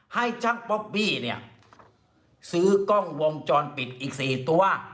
ให้ช่างป๊อบบี้เนี่ยซื้อกล้องวงจรปิดอีก๔ตัว